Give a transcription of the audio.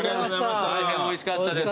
大変おいしかったです。